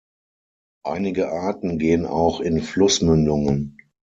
Einige Arten gehen auch in Flussmündungen.